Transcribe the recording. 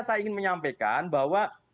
saya ingin menyampaikan bahwa